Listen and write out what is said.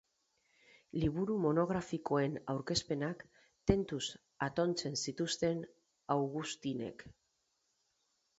Liburu monografikoen aurkezpenak tentuz atontzen zituen Augustinek.